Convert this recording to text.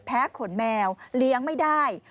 ขนแมวเลี้ยงไม่ได้